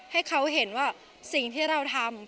ให้เขาเห็นว่าสิ่งที่เราทำ